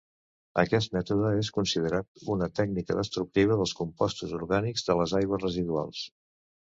Aquest mètode és considerat una tècnica destructiva dels compostos orgànics de les aigües residuals.